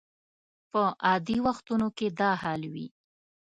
په عادي وختونو کې دا حال وي.